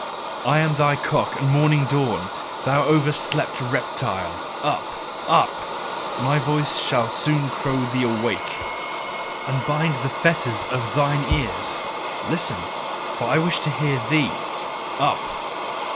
I am thy cock and morning dawn, thou overslept reptile: Up! Up! My voice shall soon crow thee awake! Unbind the fetters of thine ears: listen! For I wish to hear thee! Up!